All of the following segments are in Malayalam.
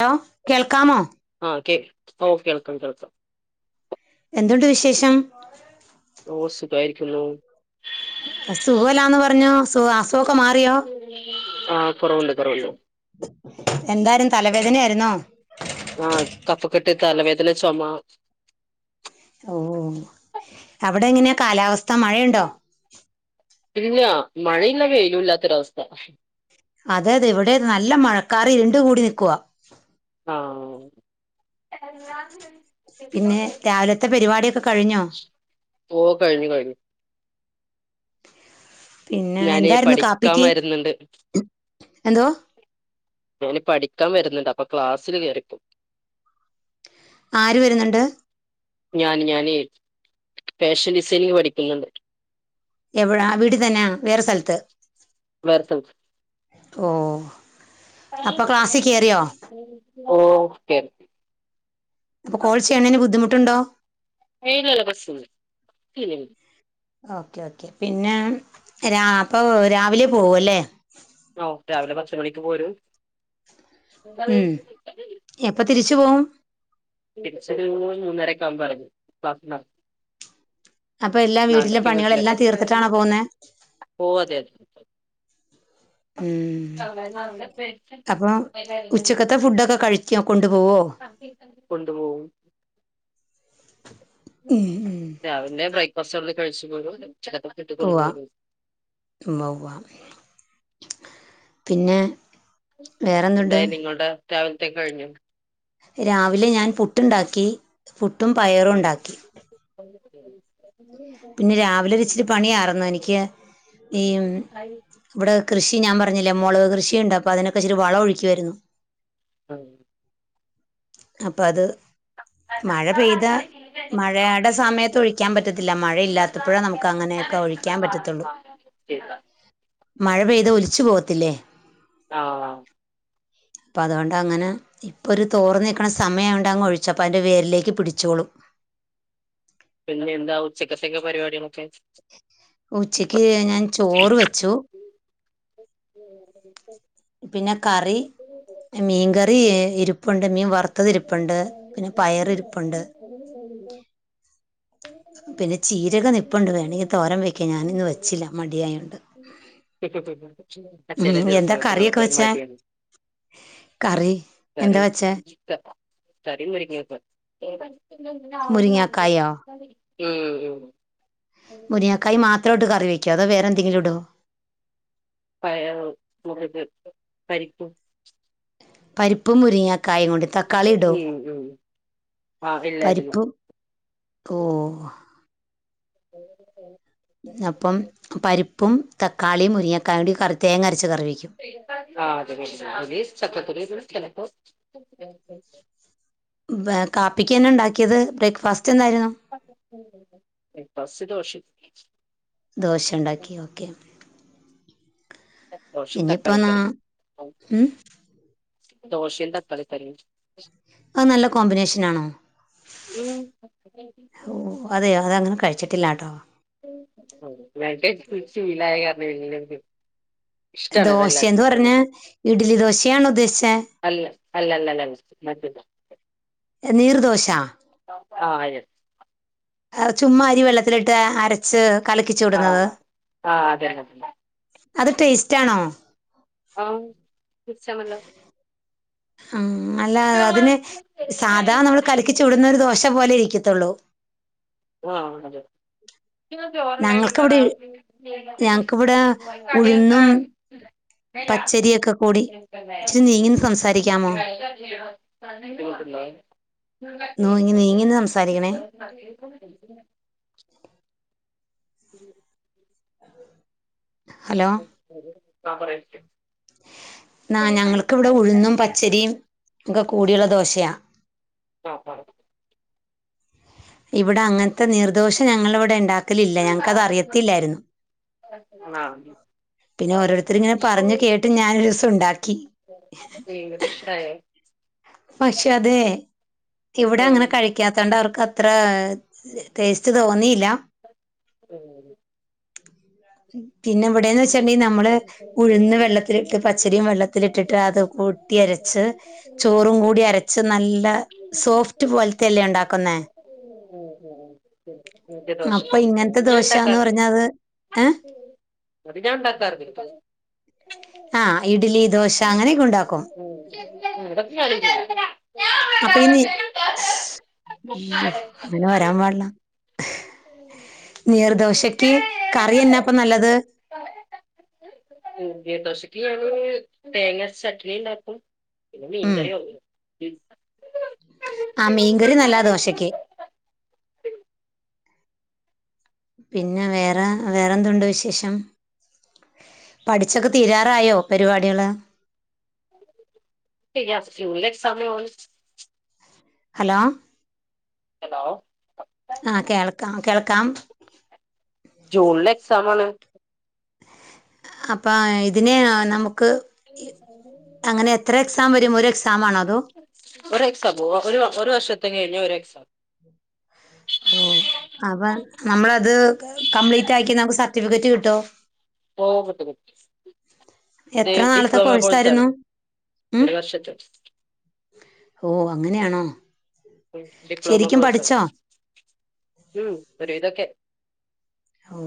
ലോ കേൾക്കാമോ? ഓംകേൾക്കാം കേൾക്കാം. എന്തുണ്ട് വിശേഷം ഓ സുഖായിരിക്കുന്നു ക്‌സുഖല്ലാന്ന് പറഞ്ഞു സുഖ അ തൂക്കം മാറിയോ? ആഹ് എന്താരും തലവേദനയാ നോ ആഹ് കഫക്കെട്ട്, തല വേദന, ചൊമ. ഓ. അവടെങ്ങനെയാ കാലാവസ്ഥ മഴയൊ ണ്ടോ പിന്നോ മഴയില്ലാവെയിലുല്ലാത്തൊരവസ്ഥ അതെതെ ഇവിടെ നല്ല മഴക്കാറ് ഇരുണ്ട് കൂടി നിക്കുവാ ആഹ് പിന്നെ രാവിലത്തെ പരിപാടിയൊക്കെ കഴിഞ്ഞോ ഓ കഴിഞ്ഞു കഴിഞ്ഞു പിന്നെ ഞാന് എന്തായിരുന്നു പഠിക്കാൻ കാപ്പിക്ക് വരുന്നുണ്ട് എന്തോ ഞാൻ പഠിക്കാൻ വരുന്നൊണ്ട്. അപ്പൊ ക്ലാസ്സില് കേറിപ്പോ. ആര് വരുന്നൊണ്ട്? ഞാന് ഞാനേ ഫാഷൻ ഡിസൈനിങ് പഠിക്കുന്നുണ്ട് എവിടാ വീട്ടി തന്നയാ വേറെ സ്ഥലത്ത് [unintelligible] ഓ അപ്പൊ ക്ലാസ്സിൽ കയറിയോ ഓക്കെ അപ്പോ കോഴ്സ് ചെയ്യണതിന് ബുദ്ധിമു ട്ടുണ്ടോ ഏയ് ഇല്ലല്ല ബസ് [unintelligible] ഇല്ല ല്ല ഓക്കെ ഓക്കെ പിന്നെ രാ അപ്പൊ രാവിലെ പോവല്ലേ ഓ രാവിലെ പത്ത് മണിക്ക് പോരും ഉം എപ്പ തിരിച്ചു പോവും തിരിച്ചൊരു മൂന്നരക്കെ ആമ്പയെറങ്ങും ക്ലാസിന്നേറങ്ങും അപ്പൊ എല്ലാം വീട്ടിലെ പണികളെല്ലാം വീട്ടിലെത്തി തീർത്തിട്ടാണോ പോകുന്നെ [unintelligible] അപ്പൊ ഉച്ചക്കത്തെ ഫുഡൊക്കെ കഴിക്കോ കൊണ്ടുപോവോ കൊണ്ട്പോവും. ഉം ഉം രാവിലെ ബ്രേക്ക്ഫാസ്റ്റ് കഴിച്ച് പോരുലെ പോവാ മ്മവാ പിന്നെ വേറെന്തുണ്ട് ന്തായി നിങ്ങൾടെ രാവിൽത്തെ കഴിഞ്ഞോ രാവിലെ ഞാൻ പുട്ടുണ്ടാക്കി പുട്ടും പയറുണ്ടാക്കി. [unintelligible] പിന്നെ രാവിലെ ഒരിച്ചിരി പണിയാറുന്നു എനിക്ക് ഈ ഇവിടെ കൃഷി ഞാൻ പറഞ്ഞില്ലേ മുളക് കൃഷി ക്കെണ്ട് അപ്പൊ അതിനൊക്കെച്ചിരി വളം ഒഴിക്കുവാരുന്നു ആ അപ്പൊ അത് മഴ പെയ്ത മഴെടെ സമയത്ത് ഒഴിക്കാൻ പറ്റത്തില്ല മഴയില്ലാത്തപ്പഴേ നമ്മക്കങ്ങനെയൊക്കെ ഒഴിക്കാൻ പറ്റത്തുള്ളൂ ശരി. മഴ പെയ്ത ഒലിച്ചു പോക ത്തില്ലെ. ആ അതാവും അപ്പൊ അത്കൊണ്ടങ്ങനെ ഇപ്പൊ ഒരു തോറന്നി ക്കണ സമയ ആയോണ്ട് അങ്ങ് ഒഴിച്ചപ്പോ അതിന്റെ വേരിലേക്ക് പിടിച്ചോളും. പിന്നെ എന്താ ഉച്ചക്കത്തെ ഒക്കെ പരിപാടികളൊക്കെ ഉച്ചയ് ക്ക് ഞാൻ ചോറ് വെച്ചു. [inaudible] പിന്നെ കറി മീൻകറി എ ഇരിപ്പ്ണ്ട് മീൻ വറുത്തതിരിപ്പുണ്ട് പിന്നെ പയറിരിപ്പുണ്ട്. പിന്നെ ചീരകം നിപ്പുണ്ട് വേണമെങ്കി തോരം വെയ്ക്കാ ഞാനിന്ന് വെച്ചില്ല മടിയായോണ്ട് ആ ചില ഉം, എന്താ ദിവസങ്ങളക്കൊ കറിയൊക്കെ നമ്മക്ക് ഒരു വെച്ചേ മടി കറി എന്താ വെച്ചേ [unintelligible] മുരിങ്ങാക്കായോ [inaudible] മ് മുരിങ്ങക്കായ് മാത്രോട്ട് കറി വെക്കോ അതോ വെ ന്തെങ്കിലും ഇടോ പയറും [unintelligible] പരിപ്പും പരിപ്പും മുരിങ്ങക്കായും കൊണ്ട് തക്കാളി ഇടോ ഉം ഉം ആ ഇല്ലായിരുന്നു പരിപ്പും ഓ [inaudible] അപ്പം പരിപ്പും തക്കാളി മുരിങ്ങക്കായൂടി കറി തേങ്ങരച്ച് ആ അത് [unintelligible] ചെലപ്പോ കാപ്പിക്കന്നെ ഇണ്ടാക്കിയത് ബ്രേക്ക്ഫാസ് ചെന്നായിരുന്നു ബ്രേക്ക്ഫാസ്റ്റ് ദോശ ദോശ ഉണ്ടാക്കി ഓക്കേ ദോശയും ഇനിയിപ്പ നാ തക്കാളിക്കറിയും ഉം ദോശേം തക്കാളിക്കറിം അത് നല്ല കോമ്പിനേഷൻ ആണോ ഉം ഓ അതെ അതങ്ങനെ കഴിച്ച ട്ടില്ലാട്ടോ [unintelligible] ശീലായാരണേ ദോശ എന്ന് പറഞ്ഞ ഇഡ്ലി ദോശയാണോ ഉദ്ദേശിച്ചേ? അല്ല അല്ല അല്ല അല്ല മറ്റേ നീർദോശ ആഹ് യെ എ ചുമ്മാ അരി വെള്ളത്തിലിട്ട് അരച്ച് കലക്കി വിടുന്നത് ആഹ് ആ അതെന്നെ അത് ടേസ്റ്റാണോ? ആ ച്ചമല ആഹ് അല്ലാ അതിന് സാധാ നമ്മള് കലിക്കിച്ചുടുന്നൊരു ദോശ പോലെ ഇരി ക്കിത്തുള്ളൂ ആഹ് അതെ ഞങ്ങൾക്ക് അവിടെ ഞങ്ങൾക്കിവിടെ ഉഴുന്നും പച്ചരിയൊക്കെ കൂടി ഇച്ചിരി നീങ്ങി സംസാരിക്കാമോ കേട്ടില്ലേ നീങ്ങി നീങ്ങി സംസാരിക്കണേ ഫുൾ ഡൈറ്റിങ്ങിലാ ഹലോ [inaudible] ആ പറയ് ന്നാ ഞങ്ങൾക്കിവടെ ഉഴുന്നും പച്ചരിയും ഇതൊ- കൂടിയുള്ള ദോശ്യാ ആഹ് ആഹ് ഇവടെ അങ്ങൻത്തെ നീർദോശ ഞങ്ങളിവിടെ ഇണ്ടാ പിന്നെ ഓരോരുത്തർ ഇങ്ങനെ പറഞ്ഞു കേട്ട് ഞാനൊരു ദിവസം ഉണ്ടാക്കി [inaudible] പക്ഷെ അതെ ഇവിടെ അങ്ങനെ കഴിക്കാതൊണ്ട് അവർക്ക് അത്ര ടേസ്റ്റ് തോന്നിയില്ല ഉം പിന്നെ ഇവിടെന്ന് വെച്ചിട്ടെങ്കി നമ്മള് ഉഴുന്ന് വെള്ളത്തിലിട്ട് പച്ചരിയും വെള്ളത്തിലിട്ടിട്ട് അത് കൂട്ടി അരച്ച് ചോറും കൂടി അരച്ച് നല്ല സോഫ്റ്റ് പോലത്തെല്ലേ ഉണ്ടാക്കുന്നേ. ഉം, ഉം. എനിക്ക് ദോശ അപ്പ ഇങ്ങനത്തെ അത് ഞാൻ ദോശാന്ന് ഉണ്ടാക്കാറില്ല പറഞ്ഞത് ഏയ് അത് ഞാ ഉണ്ടാക്കാറി [unintelligible] ആ ഇഡ്ലി ദോശ അങ്ങനെയക്കെ ഉണ്ടാക്കും ഉം [inaudible] യ്യോ അങ്ങനെ വരാൻ പാട്ല്ലാ നീർദോശക്ക് കറി എന്ന എന്നാപ്പ നല്ലത് [unintelligible] ദോശക്ക് [unintelligible] തേങ്ങ അരച്ച് ചട്നി ഉണ്ടാക്കും പിന്നെ മീൻ ഉം കറിയും ഉണ്ട് [unintelligible] ആ മീൻകറി നല്ലതാ ദോശക്ക് പിന്നെ വേറെ വേറെന്തുണ്ട് വിശേഷം പഠിച്ചൊക്കെ തീരാറായോ പരിപാടികള് പിന്നെ ജൂണില് എക്സാമാണ് ഹലോ ഹലോ ആ കേൾക്കാം കേൾക്കാം ജൂണില് എക്സാമാണ് അപ്പ ഇതിന് നമ്മ എക്സാം വരും ഒരു എക്സാം ആണോ അതോ ഒരക്സാം ഒരു ഒരു വർഷത്തെ [unintelligible] ഓ അപ്പ നമ്മളത് കംപ്ലീറ്റ് ആക്കി നമക്ക് സ ട്ടിഫിക്കറ്റ് കിട്ടോ ഓ കിട്ടും കിട്ടും ഏ എത്ര നാളത്തെ ഡിപ്ലോമ കോഴ്സാണ് കോഴ്സായിരുന്നു ഉം ഒരു വർഷത്തെ ഓ അങ്ങനെയാണോ ഉം ഡിപ്ലോമ ശരിക്കും കോഴ്സാണ് പഠിച്ചോ ഉം ഒരു വിധോക്കെ ഓ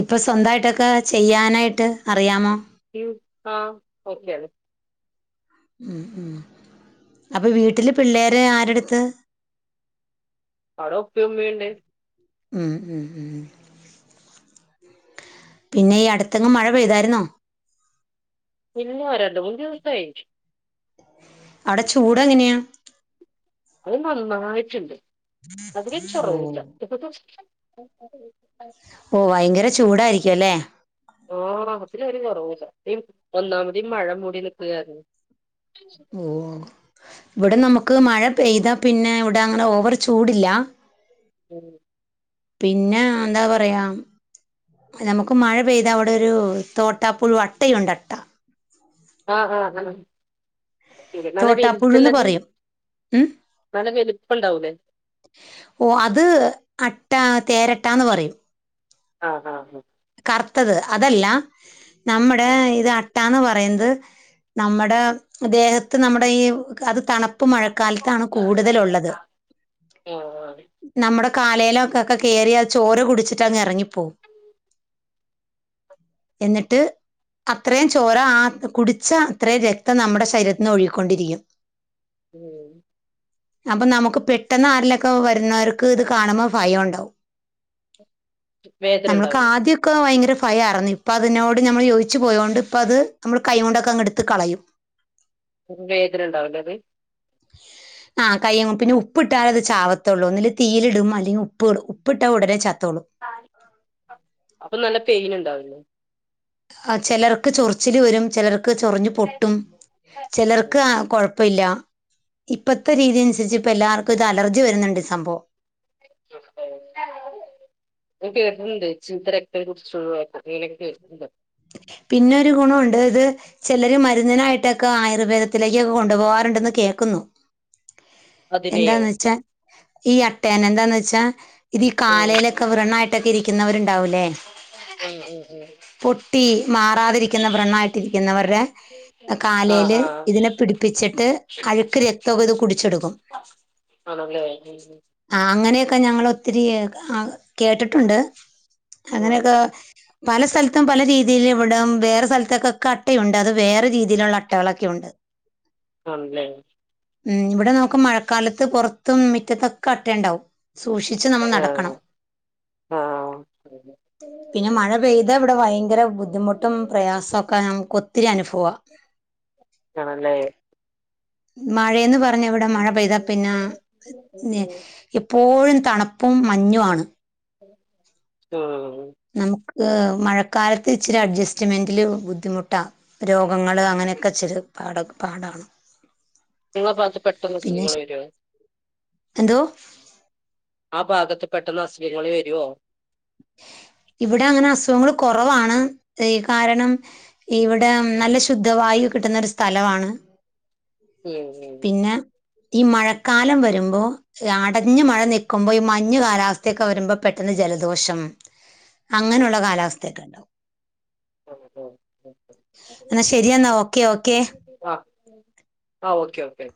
ഇപ്പ സ്വന്തായിട്ടൊക്കെ ചെയ്യാനായിട്ട് അറിയാമോ? [unintelligible] ആ ഓക്കെയാണ് ഉം ഉം അപ്പൊ വീട്ടില് പിള്ളേരെ ആരടുത്ത് ആവടെ ഉപ്പേം ഉമ്മേണ്ട് ഉം ഉം ഉം പിന്നെ ഈ അടുത്തെങ്ങ് മഴ പെയ്തായിരുന്നോ? പിന്നെ വരണ്ട്, [unintelligible] സായി അവടെ ചൂട് എങ്ങനെയാ? അത് നന്നായിട്ട്ണ്ട്, അതിന് ഓ ചൊവയില്ല [unintelligible] ഓ ഭയങ്കര ചൂടായിരിക്കും ല്ലേ ആഹ് അതിലൊരു [unintelligible] ഒന്നാമത് ഈ മഴ മൂടി നിപ്പ് കാരണേ ഓ ഇവിടെ നമുക്ക് മഴ പെയ്താ പിന്നെ ഇവിടെ അങ്ങനെ ഓവറ് ചൂടില്ലാ- ഉം പിന്നെ എന്താ പറയാ നമുക്ക് മഴ പെയ്ത അവിടെ ഒരു തോട്ടാപ്പുഴു അട്ടയുണ്ട് അട്ട- ആഹ് ആ ആ- തോട്ടാപ്പുഴുന്ന് പറയും ഉം നല്ല വലുപ്പം ഉണ്ടാവൂലേ ഓ അത് അ ട്ടാ തേരട്ടാന്ന് പറയും- ആഹ് ആ കറുത്തത് അതല്ല- നമ്മടെ ആഹ് ഇത ട്ടാന്ന് പറയുന്നത് നമ്മുടെ ദേഹത്ത് നമ്മുടെ ഈ കറു തണുപ്പ് മഴക്കാലത്താണ് കൂടുതലുള്ളത് ആഹ് ആഹ് നമ്മുടെ- കാലേലൊക്കെ ഒക്കെ കേറിയാ ചോര കുടിച്ചിട്ട് അങ്ങ് എറങ്ങി - പോവും - എന്നിട്ട് അത്രയും ചോര ആ കുടിച്ച അത്രയും രക്തം നമ്മുടെ ശരീരത്തിനി ഒഴികിക്കൊണ്ടിരിക്കും- ഉം അപ്പൊ നമുക്ക് പെട്ടെന്ന് ആരേലുക്കെ വരുന്നവർക്ക് ഇത് കാണുമ്പോ ഭയണ്ടാവും വേദനണ്ടോ ആദ്യക്കെ ഭയങ്കര ഭയറന്നു ഇപ്പ അതിനോട് നമ്മൾ യോജിച്ച് പോയൊണ്ട് ഇപ്പ അത് നമ്മള് കൈ കൊണ്ടൊക്കെ അങ് എടുത്ത് കളയും വേദന ഉണ്ടാവല്ലേ അത് ആ കയ്യങ്ങ് പിന്നെ ഉപ്പിട്ട അത് ചാവത്തുള്ളൂ ഒന്നല് തീലിടും അല്ലെങ്കിൽ ഉപ്പ് ഇടും ഉപ്പിട്ടാൽ ഉടനെ ച ത്തോളു അപ്പൊ നല്ല പെയിൻ ഉണ്ടാവല്ലേ ആ ചിലർക്ക് ചൊറച്ചില് വരും ചിലർക്ക് ചൊറിഞ്ഞു പൊട്ടും ചിലർക്ക് [unintelligible] അപ്പ ഇല്ല ഇപ്പഴത്തെ രീതി അനുസരിച്ച് ഇപ്പ എല്ലാവർക്കും ഇത് അലർജി വരുന്നുണ്ട് സംഭവം [unintelligible] കേട്ടിട്ടുണ്ട് ചീത്ത രക്തത്ത കുറിച്ച് [unintelligible] പിന്നെരു ഗുണുണ്ട് ഇത് ചിലർ മരുന്നിനായിട്ടൊക്കെ ആയുർവേദത്തിലേക്കൊക്കെ കൊണ്ടുപോവാാറുണ്ടന്ന് കേക്കുന്നു അതിനെയോ എന്താന്ന് വെച്ചാ ഈ അട്ടയന എന്താന്ന് വെച്ചാ ഇത് ഈ ആഹ് കാലേലൊക്കെ വൃണായിട്ടൊക്കെ ഇരിക്കുന്നവരുണ്ടാവില്ലേ ലെ ഉം ഉം ഉം ഈ മാറാതിരിക്കുന്ന വൃണായിട്ടിരിക്കുന്നവരുടെ ആഹ് കാലേല് ആഹ് ഇതിനെ പിടിപ്പിച്ചിട്ട് അഴുക്ക് രക്തൊക്കെ ഇത് കുടിച്ചെടുക്കും ആണല്ലേ അ നൊക്കെ ഞങ്ങള ഒത്തിരി കേട്ടിട്ടുണ്ട് ഉം ഉം. അങ്ങനെയൊക്കെ പല സ്ഥലത്തും പല രീതി തിൽ ഇവിടം വേറെ സ്ഥലത്തൊക്ക ഒക്കെ അട്ടയുണ്ട് അത് വേറെ രീതിയിലുള്ള അട്ടകളൊക്കെ ഉണ്ട് ആണല്ലേ ഉം ഇവിടെ നോക്ക മഴക്കാലത്ത് പുറത്തും മിറ്റത്തൊക്കെ അട്ട ഉണ്ടാവും സൂക്ഷിച്ച് നമ്മൾ ആഹ് നടക്കണം ആഹ് പിന്നെ മഴ പെയ്താ ഇവിടെ ഭയങ്കര ബുദ്ധിമുട്ടും പ്രയാസമൊക്കെ നമുക്ക് ഒത്തിരി അനുഭവം ആണല്ലേ മഴയന്ന് പറഞ്ഞ ഇവിടെ മഴ പെയ്താ പിന്നെ എപ്പോഴും തണുപ്പും മഞ്ഞും ആണ് ഉം നമുക്ക് മഴ കാലത്ത് ഇച്ചിരി അഡ്സ്റ്റ്മെന്റില് ബുദ്ധിമുട്ടാ രോഗങ്ങള് അങ്ങനെയൊക്കെ [unintelligible] പാട പാടാണ് നിങ്ങള ഭാഗത്ത് പെട്ടന്ന് പിന്നെ അസുഖങ്ങൾ വരോ എന്തോ ആ ഭാഗത്ത് പെട്ടെന്ന് അസുഖങ്ങൾ വരുവോ ഇവിടെ അങ്ങനെ അസുഖങ്ങൾ കുറവാണ് കാരണം ഇവിടെ നല്ല ശുദ്ധവായു കിട്ടുന്ന ഒരു സ്ഥലവാണ് ഉം ഉം ഈ മഴക്കാലം വരുമ്പോ അടഞ്ഞു മഴ നിൽക്കുമ്പോ ഈ മഞ്ഞു കാലാവസ്ഥയൊക്കെ വരുമ്പോ പെട്ടെന്ന് ജലദോഷം ഉം അങ്ങനെയുള്ള കാലാവസ്ഥയൊക്കെ ഉണ്ടാവും ഉം, ഉം, ഉം. എന്നാ ശരിയെന്നാ ഓക്കെ ഓക്കെ ആഹ് ഓക്കെ ഓക്കെ